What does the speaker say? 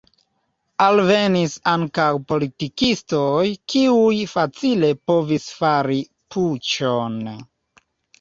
Alvenis ankaŭ politikistoj, kiuj facile povis fari puĉon.